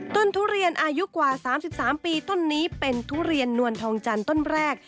ทุเรียนอายุกว่า๓๓ปีต้นนี้เป็นทุเรียนนวลทองจันทร์ต้นแรก